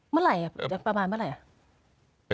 เมื่อไหร่ประมาณเมื่อไหร่